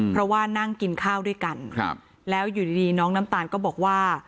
เพราะว่านั่งกินข้าวด้วยกันแล้วอยู่ดีน้องน้ำตาลก็บอกว่า